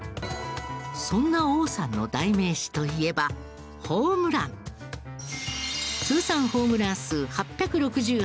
そんな王さんの代名詞といえば通算ホームラン数８６８本。